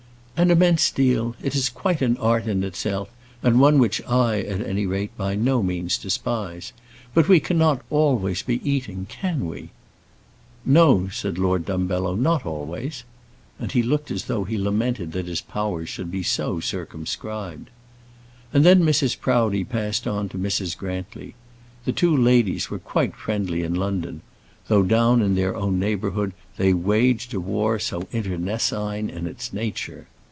"An immense deal. It is quite an art in itself; and one which I, at any rate, by no means despise. But we cannot always be eating can we?" "No," said Lord Dumbello, "not always." And he looked as though he lamented that his powers should be so circumscribed. And then Mrs. Proudie passed on to Mrs. Grantly. The two ladies were quite friendly in London; though down in their own neighbourhood they waged a war so internecine in its nature.